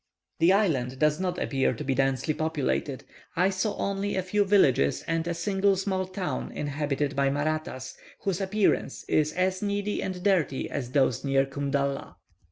The island does not appear to be densely populated. I saw only a few villages and a single small town inhabited by Mahrattas, whose appearance is as needy and dirty as those near Kundalla.